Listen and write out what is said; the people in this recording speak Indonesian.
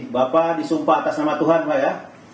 bapak disumpah atas nama tuhan pak ya